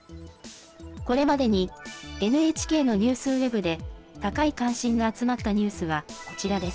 これまでにＮＨＫのニュースウェブで高い関心が集まったニュースはこちらです。